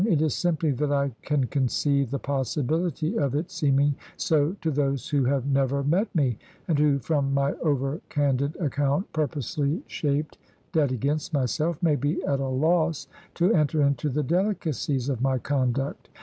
It is simply that I can conceive the possibility of it seeming so to those who have never met me; and who from my over candid account (purposely shaped dead against myself) may be at a loss to enter into the delicacies of my conduct.